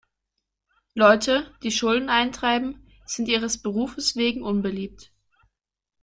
Leute, die Schulden eintreiben, sind ihres Berufes wegen unbeliebt.